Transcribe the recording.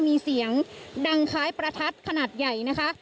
มีเสียงดังคล้ายประทัดขนาดใหญ่นะคะ